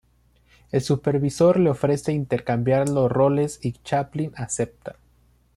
El supervisor le ofrece intercambiar los roles y Chaplin acepta.